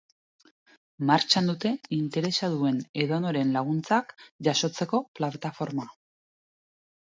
Martxan dute interesa duen edonoren laguntzak jasotzeko plataforma.